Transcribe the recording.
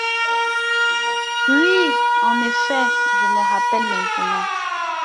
Oui en effet, je me rappelle maintenant.